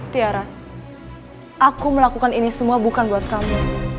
tiara aku melakukan ini semua bukan buat kamu